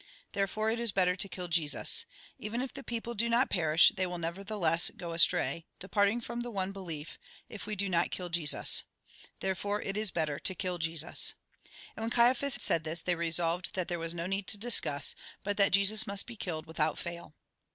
There fore it is better to kill Jesus. Even if the people do not perish, they will nevertheless go astray, departing from the one belief, if we do not kill Jesus. Therefore it is better to kill Jesus." And when Caiaphas said this, they resolved that there was no need to discuss, but that Jesus must be kUled without fail.